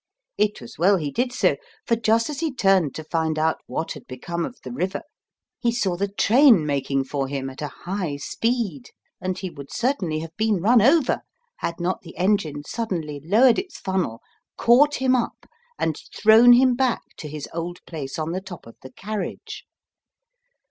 It was well he did so, for just as he turned to find out what had become of the river, he saw the train making for 22 Tom catches no, the train catches Tom. him at a high speed, and he would certainly have been run over had not the engine suddenly lowered its funnel, caught him up and thrown him back to his old place on the top of the carriage.